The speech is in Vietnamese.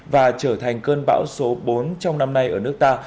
và trở thành cơn bão số bốn trong năm nay ở nước ta